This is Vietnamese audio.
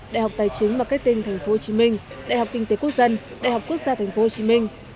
đại học tài chính marketing tp hcm đại học kinh tế quốc dân đại học quốc gia tp hcm